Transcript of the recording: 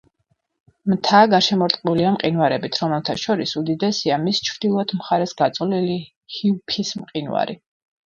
მთა გარსშემორტყმულია მყინვარებით, რომელთა შორის უდიდესია მის ჩრდილოეთ მხარეს გაწოლილი ჰიუფის მყინვარი.